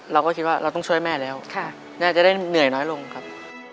เราก็คิดว่าเราต้องช่วยแม่แล้วน่าจะได้เหนื่อยน้อยลงครับ